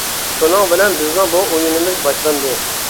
شۇنىڭ بىلەن بىزنىڭ بۇ ئويۇنىمىز باشلاندى.